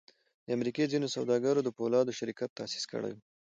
د امریکا ځینو سوداګرو د پولادو شرکت تاسیس کړی و